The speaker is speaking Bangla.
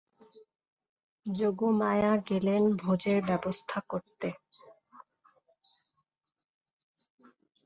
যোগমায়া গেলেন ভোজের ব্যবস্থা করতে।